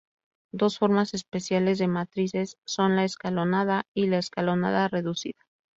Dos formas especiales de matrices son la escalonada y la escalonada reducida.